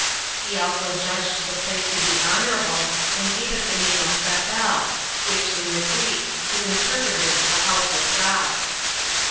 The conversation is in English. He also judged the place to be honorable and gave it the name of Bethel, which, in the Greek, is interpreted, The House of God.